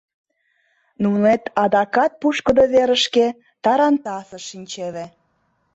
Нунет адакат пушкыдо верышке, тарантасыш, шинчеве.